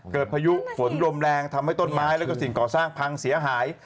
พายุฝนลมแรงทำให้ต้นไม้แล้วก็สิ่งก่อสร้างพังเสียหาย